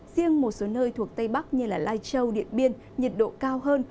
riêng một số nơi thuộc tây bắc như lai châu điện biên nhiệt độ cao hơn